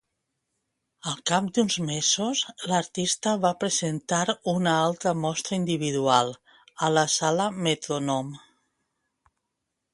Al cap d'uns mesos, l'artista va presentar una altra mostra individual a la sala Metrònom.